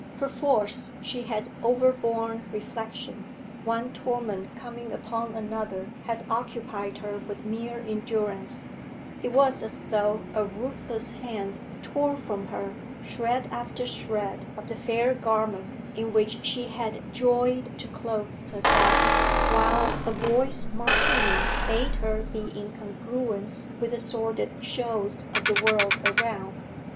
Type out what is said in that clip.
Perforce she had overborne reflection; one torment coming upon another had occupied her with mere endurance; it was as though a ruthless hand tore from her shred after shred of the fair garment in which she had joyed to clothe herself, while a voice mockingly bade her be in congruence with the sordid shows of the world around.